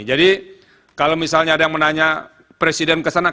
jadi kalau misalnya ada yang menanya presiden ke sana